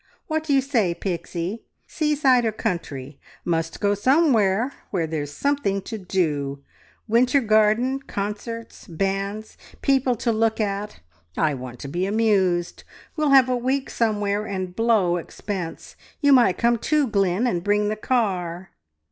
"What do you say, Pixie, seaside or country? Must go somewhere where there's something to do! Winter garden, concerts, bands, people to look at. I want to be amused. We'll have a week somewhere, and blow expense. You might come too, Glynn, and bring the car."